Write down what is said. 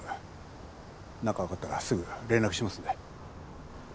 何かわかったらすぐ連絡しますんで。